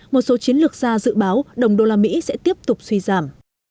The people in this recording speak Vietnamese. một số chiến lược ra dự báo đồng đô la mỹ sẽ tiếp tục suy giảm